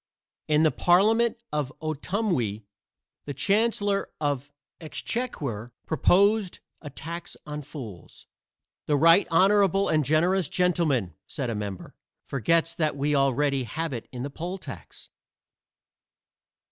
In the Parliament of Otumwee the Chancellor of the Exchequer proposed a tax on fools. "The right honorable and generous gentleman," said a member, "forgets that we already have it in the poll tax."